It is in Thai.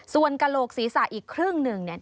ส่วนกระโหลกศีรษะอีกครึ่งหนึ่งเนี่ย